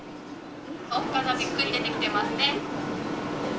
おっかなびっくり出てきてますね。